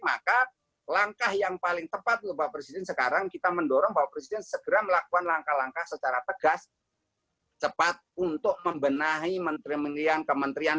maka langkah yang paling tepat untuk pak presiden sekarang kita mendorong bapak presiden segera melakukan langkah langkah secara tegas cepat untuk membenahi menteri menteri yang kementerian